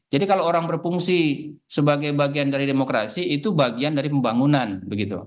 jadi kalau orang berfungsi sebagai bagian dari demokrasi itu bagian dari pembangunan begitu